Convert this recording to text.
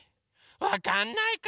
わかんないかな